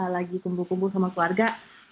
lagi kumpul kumpul sama keluarga